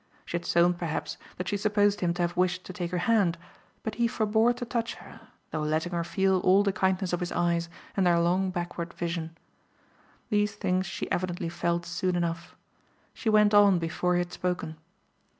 She had shown perhaps that she supposed him to have wished to take her hand, but he forbore to touch her, though letting her feel all the kindness of his eyes and their long backward vision. These things she evidently felt soon enough; she went on before he had spoken.